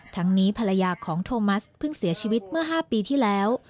ทั้งนี้ภรรยาของโทมัสเพิ่งเสียชีวิตเมื่อ๕ปีที่แล้ว